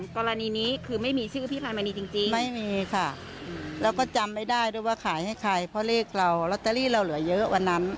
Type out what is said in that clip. กรณีนี้คือไม่มีชื่อพี่พายมณีจริงไม่มีค่ะแล้วก็จำไม่ได้ด้วยว่าขายให้ใครเพราะเลขเราลอตเตอรี่เราเหลือเยอะวันนั้น